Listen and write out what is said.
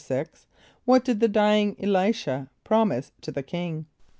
= What did the dying [+E] l[=i]´sh[.a] promise to the king?